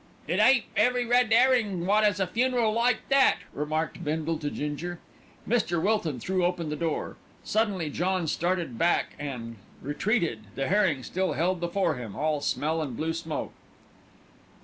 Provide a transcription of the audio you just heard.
"It ain't every red 'errin' wot 'as a funeral like that," remarked Bindle to Ginger. Mr. Wilton threw open the door. Suddenly John started back and retreated, the herring still held before him, all smell and blue smoke.